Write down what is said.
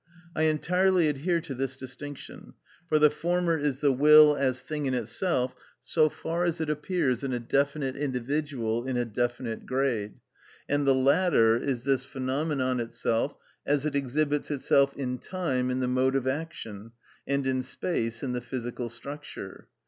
I entirely adhere to this distinction, for the former is the will as thing in itself so far as it appears in a definite individual in a definite grade, and the latter is this phenomenon itself as it exhibits itself in time in the mode of action, and in space in the physical structure.